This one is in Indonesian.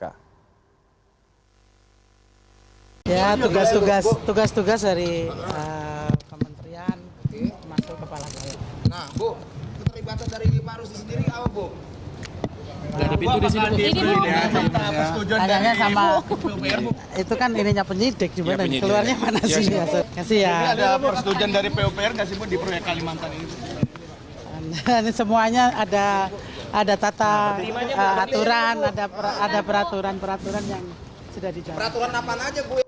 ada peraturan peraturan yang sudah dijalankan